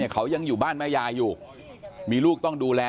เขายังอยู่บ้านแม่ยายอยู่มีลูกต้องดูแล